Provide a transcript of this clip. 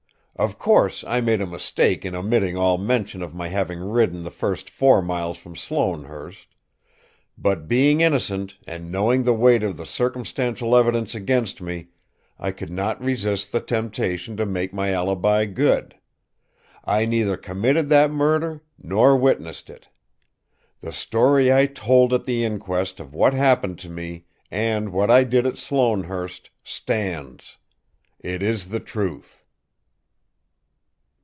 Of course, I made a mistake in omitting all mention of my having ridden the first four miles from Sloanehurst. But, being innocent and knowing the weight of the circumstantial evidence against me, I could not resist the temptation to make my alibi good. I neither committed that murder nor witnessed it. The story I told at the inquest of what happened to me and what I did at Sloanehurst stands. It is the truth."